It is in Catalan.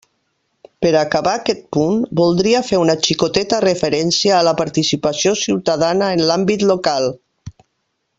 Per a acabar aquest punt, voldria fer una xicoteta referència a la participació ciutadana en l'àmbit local.